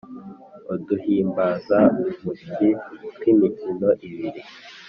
uduhimbazamusyi tw’imikino ibiri